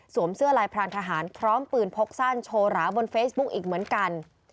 เสื้อลายพรานทหารพร้อมปืนพกสั้นโชว์หราบนเฟซบุ๊กอีกเหมือนกัน